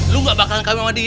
lu gak bakalan kain sama dia